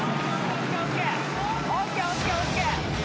・ＯＫＯＫＯＫ。